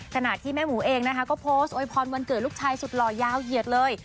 ขณะที่แม่หมูเองนะคะก็โพสต์โวยพรวันเกิดลูกชายสุดหล่อยาวเหยียดเลย